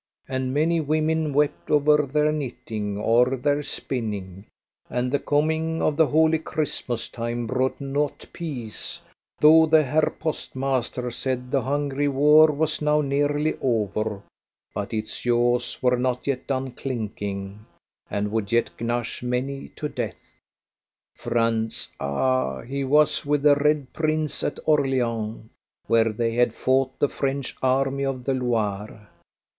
And many women wept over their knitting or their spinning; and the coming of the holy Christmas time brought not peace, though the Herr postmaster said the hungry war was now nearly over, but its jaws were not yet done clinking, and would yet gnash many to death. Franz! ah! he was with the Red Prince at Orleans, where they had fought the French army of the Loire.